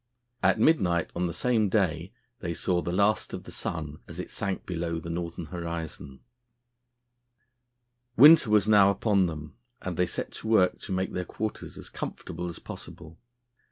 At midnight on the same day they saw the last of the sun as it sank below the northern horizon. Winter was now upon them, and they set to work to make their quarters as comfortable as possible.